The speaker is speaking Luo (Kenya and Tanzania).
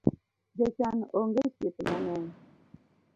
Jochan onge osiepe mang’eny